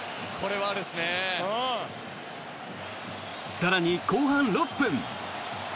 更に後半６分。